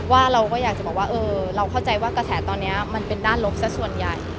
ว่าเราก็อยากจะบอกว่าเราเข้าใจว่ากระแสตอนนี้มันเป็นด้านลบซะส่วนใหญ่